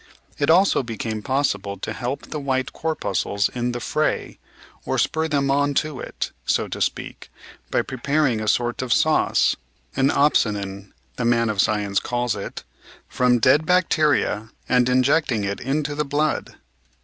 It also became possible to help the white corpuscles in the fray, or spur them on to it, so to speak, by preparing a sort of sauce — an opsonin, the man of science calls it — from dead bacteria and injecting it into the blood.